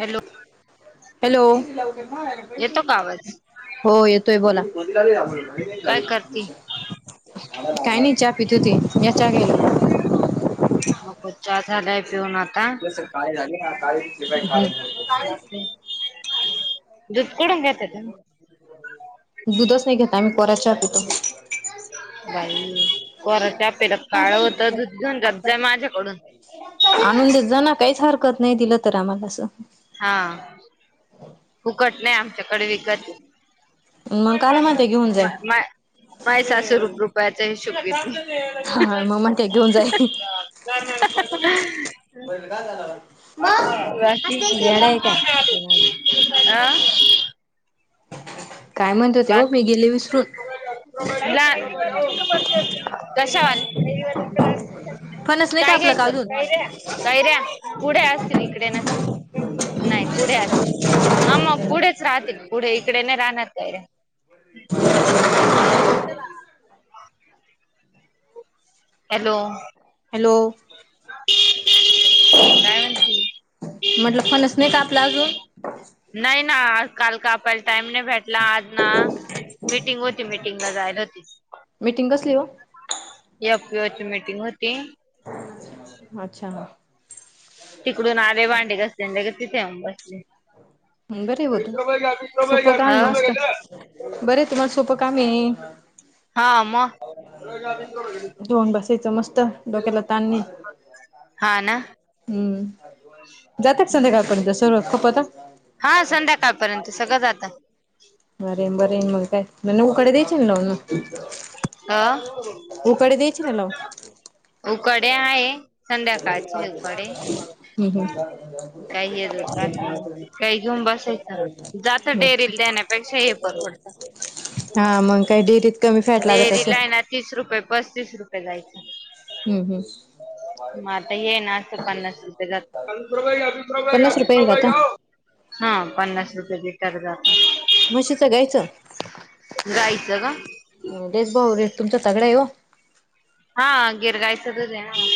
Hello hello येतो का आवाज हो येतोय बोला काय काय करती नाही चहा पितो ते या च गला म को चचा लाय पो ना सर काळे झाले ना काळी का बाकी दूध कोडून घेत त दुधच नाही घेत आम्ही कोराच चहा पितो. बाई कोरा चहा पिल्यावर काळ होत दुध घेऊन जात जा माझ्याकडून आणून देत जा ना काहीच हरकत नाही दिलं तर आम्हाला असं हा फुकट नाही आमच्याकडे विकतय. [unintelligible] मग काला माय म्हणते घेऊन जाय माय माय सासू रुप रूपयाच हिशोब घेते. हा मग् म्हणत्या घेऊन जा हे. [unintelligible] का झा बाकी मगड आहे का तिकडे हा काय म्हणत होते हो बाकी मी गेली विसरून ला हो कशावाले? फणच नाही का आपल्या गावातून काय र्या पुढे असेल इकडे नसेल नाही पुढे असतील ह मग पुढेच राहतील पुढे इकडे नाही राहणार काय रे आनं. छ हॅलो हॅलो काय म्हणती? म्हटलं फणच नाही का आपला अजून नाही ना आजकाल का पहिले टाइम नाही बेठ आज ना मिीटिंग होती मिीटिंगला जायला होती मिीटिंग कसली हो या पिची मीटिंग होती अच्छा. तिकडून आले भांडे घासले अन् लगेच तिथे येऊन बसले. हम्म बरय बग तू सोपं काम आहे मस्त अ बरय तुम्हाला सोपं कामये. हा म धुऊन बसायचं मस्त डोक्याला ताण नाही हा ना हम्म. जाता का संध्याकाळपर्यंत सुरवात खूप होता. हा संध्याकाळपर्यंत सगळं जाता. बरय बरय मग काय उकाडे द्यायची ना लावून मग अ उकाडे द्यायची ना लावून. उकाडे आहे संध्याकाळचे उकाडे हम् हम् काही अजून घात नाही काय घेऊन बसायचं जात अच्छा डेरीला देण्यापेक्षा हे परवडतं हा मग काय डेरीत कमी फॅट लागत डेअरीला असंल आहे ना तीस रुपये पस्तीस रुपये जायचं. हम्म हम्म म आता येना असं पन्नास रुपये जात पन्नास रुपये आहे का आता [unintelligible] हा पन्नास रुपये लिटर जात. म्हशीचं गायीचं. गायीचं गं. हम्म तेच भाऊ रेट तुमच स्वतःकडे आहे ओ. हा गीर गायीच दूध आहे ना मग.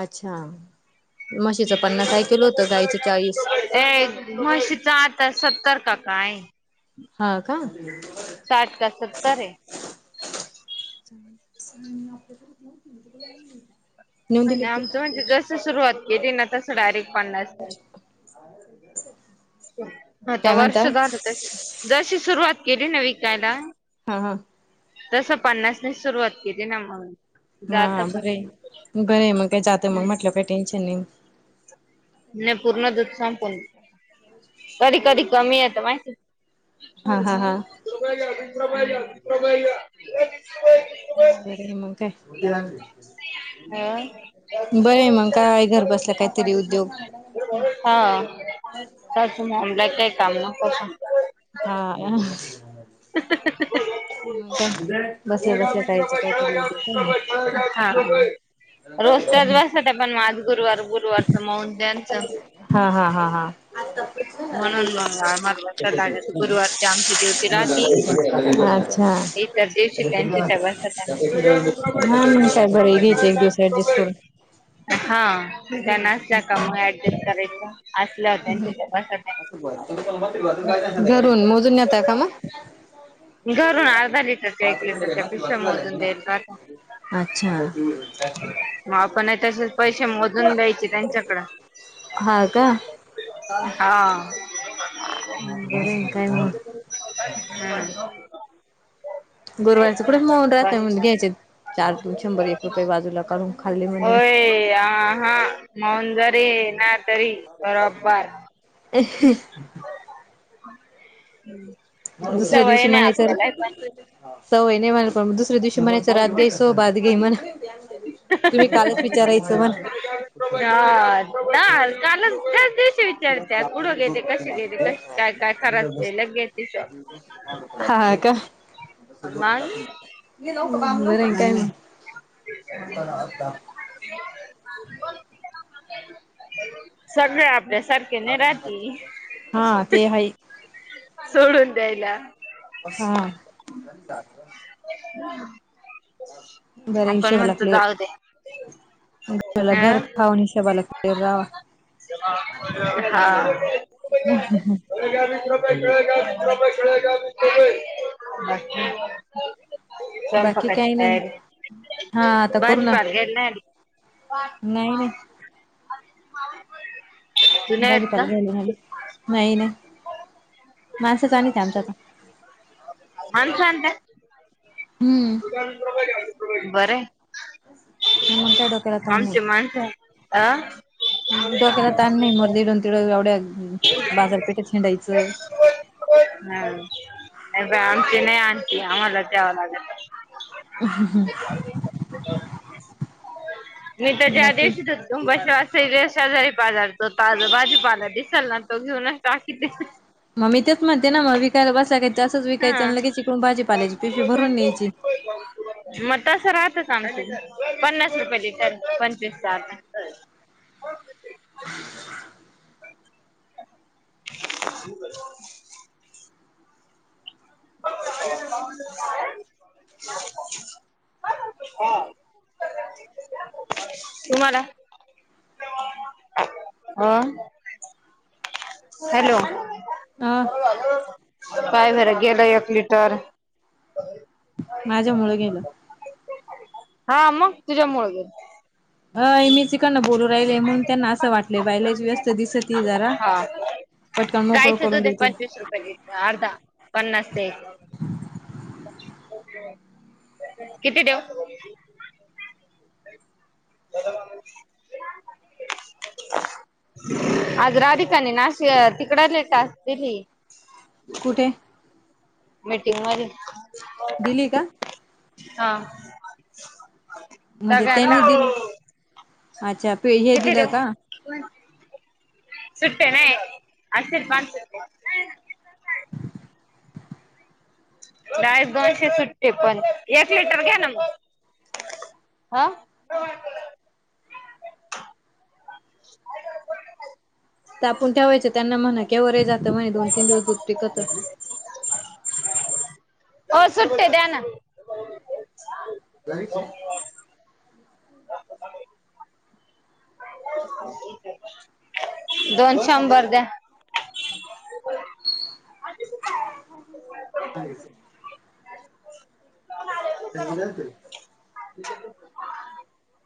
अच्छा म्हशीचं पन्नास ऐकल होतं गाईचं चाळीस ए म्हशीच आता सत्तर का काय. हा का. साठ का सत्तर ये. [inaudible] नेऊन दिली आणि ती आमचं म्हणजे जस सुरुवात केली ना तसं. डायरेक्ट पन्नास [unintelligible] आता काय म्हणता वर्ष झालं तशी जशी सुरुवात केली ना विकायला. हा हा. तसं पन्नासने सुरुवात केली ना म हांां बर बरं आहे मग का जात मग म्हटलं का टेन्शन नाही. नाही पूर्ण दूध संपून कधी कधी कमी येत माहिती. हा हा हा. [unintelligible] बरय मग काय. बरं आहे मग हं काय घर बसल्या काहीतरी उद्योग [unintelligible] हा [unintelligible] हा मग [unintelligible] काय बसल्या बसल्या करायचे काहीतरी हा उद्योग आहे ना [unintelligible] रोज त्याच बसत्याता पण मग आज गुरुवार गुरुवारच म्हणून त्या हा हा हा हा. [inaudible] म्हणून मग आम्हाला बसायला लागत गुरुवारची आमची ड्युटी राहती अच्छा इतर दिवशी त्यांची त्या बसत्या हा मग काय बरय घ्यायच एक दिवस ऍडजेक्ट करून. हा त्यांनाच द्या काम मग ऍडजस्ट करायच. असलं [unintelligible] तिथ बसत नाही घरून मोजून येतय का म घरून अर्धा लिटरच्या एक लिटरच्या पिश्या मोजून द्यालता. अच्छा मग आपण तसेच पैसे मोजून घ्यायचे त्यांच्याकडे. हा का. हा. बर काय म- हम्म गोरवारच कुठच मऊन बस. राहतय म्हण घ्यायचे चार दन शंभर एक रुपये बाजूला काढून खाल्ले म्हण. ते आ हा. मन जरे ना तरी बरोबर. हम्म दुसऱ्या दिवशी म्हणायचर. सवय नाही म्हण प म दुसऱ दिवशी मणा तर रात गई सो बाात गई मला. तुम्ही कालच विचारायचं मग. [unintelligible] क विचारत कुठं घेते कसे घेते क काय काय खराच लगे ति हा का मग नाही काय नाही. फुटबॉल [inaudible] सगळ आपल्या सारखे न राहतील. हा ते आहे सोडून द्यायला. हा. हम. बर हिशोबाला क्लियर. घला घर अ खावा हिशेबाला तर रावा. हा. ीस रपळेीस रपे चळे [inaudible] त बाकी [inaudible] स्वयंपा बाकी काची काही नाही तयारी. हा आता करू ना नाही ह नाही हा [inaudible] भाजीपाल घेल नाही नाही माणसेच आमच्याता. बर हम्म हाय. म मग काय डोकेला तान नाही. आण काय. आं डोक्याला ताण नाही इकडून तिकडून एवढ्या बाजारपेठेत हिंडायचं. ह नाही बा आमच नाही आणती आम्हालाच द्यावा लागत. मी त्याच्या आ बाकी दिवशी तुशिवा सैरी शेजारी बाजार तो ताज बाजूपाला दिसेल ना तो घेऊनच टाकीते. मग मी तेच म्हणते ना मग विकाला बसय का असंच हा विकायचं ल के चिकून भाजी पालायची पिशीवी भरून न्यायची. मग तस राहतच आमच पन्नास रुपये लिटर पंचवीस अर्धा. ह [inaudible] [inaudible] अ [inaudible] तुम्हाला. आ हॅलो. अं पाय भर गेलं एक लिटर. माझ्या मुळ गेलं. हा अम् तुझ्या मुळग गेलं. अ मी चिकन बोलू राहिले म्हणून त्यांना असं वाटलंय बाहिलाच व्यस्त. दिसती जरा हा पटकन मोकळ गाईचं करून दूध आहे देती. पंचवीस रुपये अर्धा पन्नास तेल. किती देऊ. [inaudible] आज राधिकानी नाशिक तिकड तिकडे लय टाकतील. ते मीटिंग मध्ये दिली का? हा, म्हणजे सगळ्यांना त्यांनी दिले, अच्छा, पे हे किती दिलं देऊ का? सुट्टे नाही, असतील पाच सुट्टे. [inaudible] डायरेक्ट दोनशे सुट्टे पण, एक लिटर घ्या ना मग हा. [inaudible] तापून ठेवायचं त्यांना म्हणा, के वरे जातं म्हणे दोन- तीन दिवस दूध टिकत. ओ सुट्टे द्या ना. जायच? [inaudible] दोन शंभर द्या. अ [unintelligible] त्या जात [unintelligible]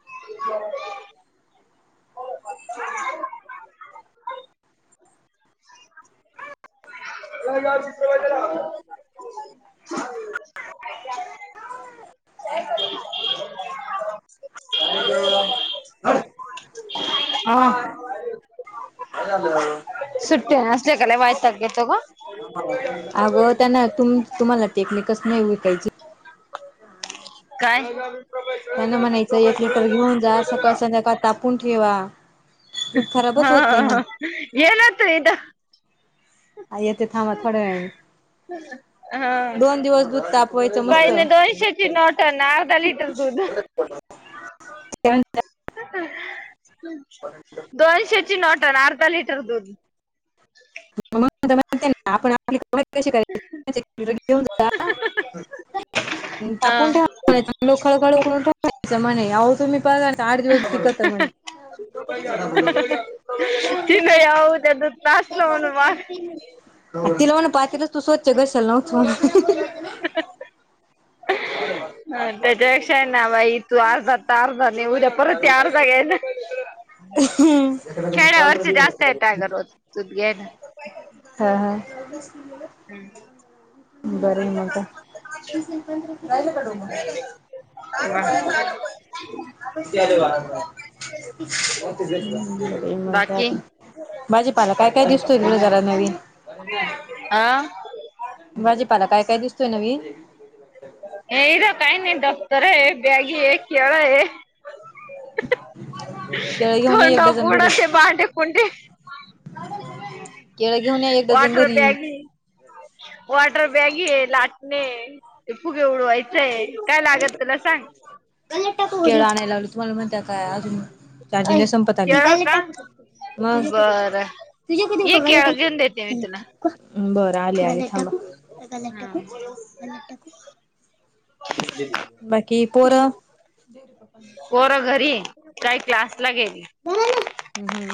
[inaudible] का? [unintelligible] [unintelligible] काय गं, हाड हा काय, काय झालं? सुट्टी असले, की लय वैताग येतो ग. अगं त्यांना तु तुम्हाला टेक्निकच नाही काही विकाय काय? त्यांना म्हणायचं एक लिटर घेऊन जा सकाळ, संध्याकाळ तापून ठेवा. दूध हा खराबच होत नाही ह म्हण येनत तू इथं. येते थांब थोड्या वेळानी हा दोन दिवस दुध ता बाईने दोनशे. नो टन अर्धा लिटर दूध. दोनशेची नोट आनं अर्धा लिटर दूध. आपण आपली कम कशी करायची घेऊन जा आता- [unintelligible] तापून हा ठेवा म्हणायचं..., खळखळ उकळवून ठेवायच, म्हणे अहो.... तुम्ही परवा [inaudible] चिन यऊद [unintelligible] लास्टला म्हणून वार तिला म्हण, पातेलच तू स्वचछ घशाला नव्हत. ह त्याच्यापेक्षा ना बाई तू आज जात तार झाले, उद्या परत या अर्धा घ्यायल खेड्यावरची जास्त येतात रोज दूध घ्यायला. हा, हा बरय मग काय? हम् ह वार [unintelligible] ते बाकी म्हणतात भाजीपाला काय काय दिसतोय गुरोजरा नवीन. आ. भाजीपाला काय काय दिसतोय नवीन. ए तर काही नाही दफ्तर ए बॅगी ए केलं ए. केळ घेऊन या थंड एक डझन बुड घरी ते बांडे कुंडी. केळ घेऊन या एक डझन वॉटर घरी बॅगी वाॉटर बॅगी, हे लाटणे, फुगे उडवायचे. य काय लागत तुला सांग? मल नको टाकू केळ आणायला लावलं तुम्हाला म्हणत काय अजून चाचाने संपत आले केळ तिघालें का टाकू मग बरं [unintelligible] ये केळ घेऊन देते मी तुला बरं आले आले ह थांबा. [inaudible] बाकी पोरं पोर घरी काही क्लास ला गेली.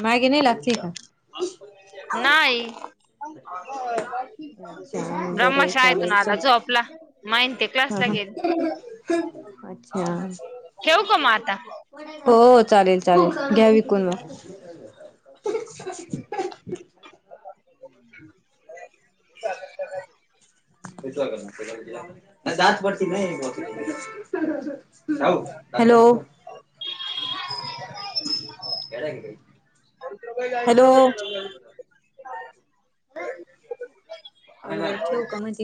मागे नाही लागते. नाही अच्छा बम्हा बरे शाळेतून चालेल आला चल झोपला. माहिते क्लास हा ला हा गेले ठेऊ का मग आता. हो हो चालेल चालेल घ्या विकून मग. [inaudible] [inaudible] [unintelligible] हॅलो हॅलो [unintelligible] ठेव का म्हणती.